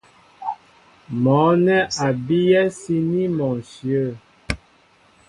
Mɔ̌ nɛ́ a bíyɛ́ síní mɔ ǹshyə̂.